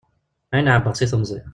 Ayen ɛebbaɣ seg temẓi.